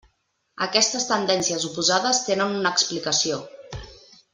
Aquestes tendències oposades tenen una explicació.